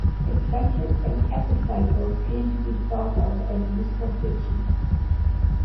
Eccentrics and epicycles came to be thought of as useful fictions.